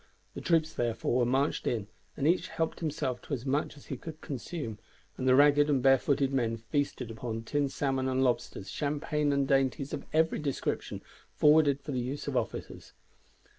The troops therefore were marched in and each helped himself to as much as he could consume, and the ragged and barefooted men feasted upon tinned salmon and lobsters, champagne and dainties of every description forwarded for the use of officers.